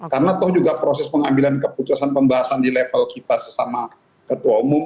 karena toh juga proses pengambilan keputusan pembahasan di level kita sesama ketua umum